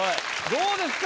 どうですか？